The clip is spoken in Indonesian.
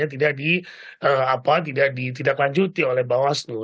tidak dilanjuti oleh bawah seluruh